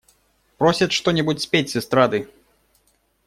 Просят что-нибудь спеть с эстрады.